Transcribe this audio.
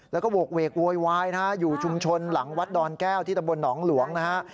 แล้วก็โหกเวกโวยวายนะฮะอยู่ชุมชนหลังวัดดอนแก้วที่ตำบลหนองหลวงนะฮะ